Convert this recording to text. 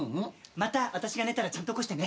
また私が寝たらちゃんと起こしてね。